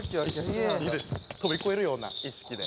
飛び越えるような意識で。